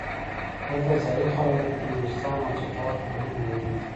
دلته ځايي خلک لکه د نورستان او چترال پر ګلونو مین دي.